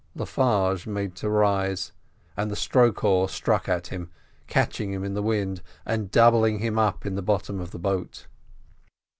Le Farge made to rise, and the stroke oar struck at him, catching him in the wind and doubling him up in the bottom of the boat.